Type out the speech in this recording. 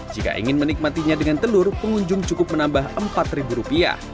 jika ingin menikmatinya dengan telur pengunjung cukup menambah rp empat